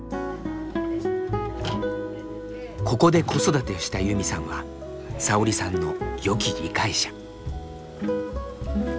ここで子育てしたユミさんはさおりさんのよき理解者。